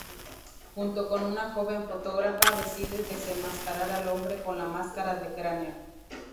Junto con una joven fotógrafa, decide desenmascarar al hombre con la máscara de cráneo.